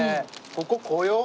ここ来よう。